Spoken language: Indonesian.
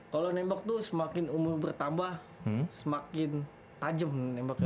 kalau nembak tuh semakin umur bertambah semakin tajem menembaknya